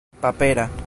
papera